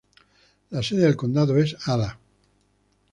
La sede del condado es Ada.